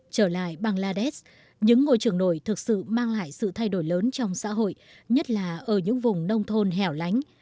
trở lại bằng ladesh những ngôi trường nổi thực sự mang lại sự thay đổi lớn trong xã hội nhất là ở những vùng nông thôn hẻo lánh